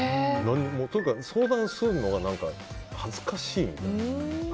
とにかく相談するのは恥ずかしいみたいな。